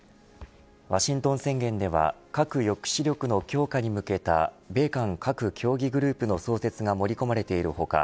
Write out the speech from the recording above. ワシントン宣言では核抑止力の強化に向けた米韓核協議グループの創設が盛り込まれている他